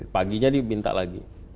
paginya dibinta lagi